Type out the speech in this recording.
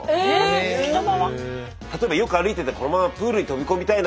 例えばよく歩いててこのままプールに飛び込みたいなってときあるでしょ。